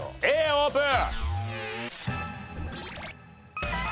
Ｃオープン！